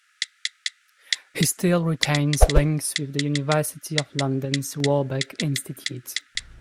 He still retains links with the University of London's Warburg Institute.